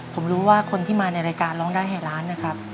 ผมรู้ว่าคนที่มาในรายการร้องได้ให้ล้านนะครับ